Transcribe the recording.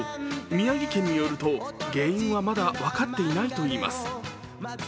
宮城県によると原因はまだ分かっていないといいます。